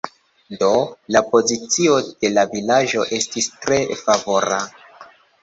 Do, la pozicio de la vilaĝo estis tre favora.